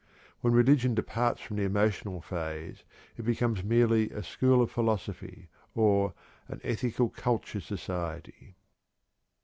When religion departs from the emotional phase it becomes merely a "school of philosophy," or an "ethical culture society."